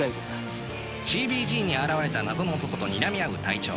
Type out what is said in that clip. ＣＢＧに現れた謎の男とにらみ合う隊長。